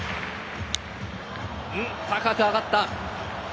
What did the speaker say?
高く上がった。